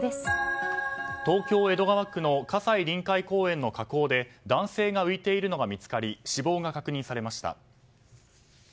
東京・江戸川区の葛西臨海公園の河口で男性が浮いているのが見つかり死亡が確認されました。